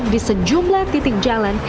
di sejumlah titik jalan